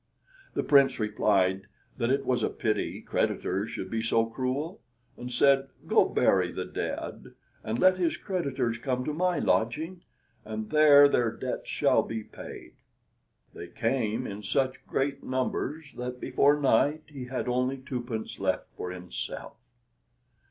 The Prince replied that it was a pity creditors should be so cruel, and said, "Go bury the dead, and let his creditors come to my lodging, and there their debts shall be paid." They came, in such great numbers that before night he had only twopence left for himself.